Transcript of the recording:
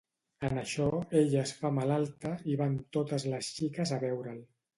En això, ella es fa malalta i van totes les xiques a veure'l.